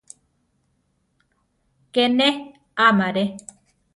Ke ne amaré.